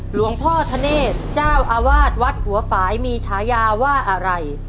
หลวงพ่อธเนธเจ้าอาวาสวัดหัวฝ่ายมีฉายาว่าอะไร